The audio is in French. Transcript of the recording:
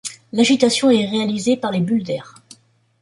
L'agitation est réalisée par les bulles d'air.